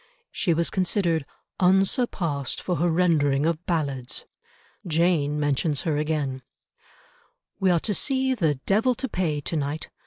She was considered "unsurpassed for her rendering of ballads." Jane mentions her again— "We are to see the Devil to Pay to night.